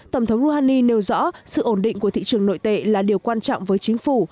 tổng thống rouhani nêu rõ sự ổn định của thị trường nội tệ là điều quan trọng với chính phủ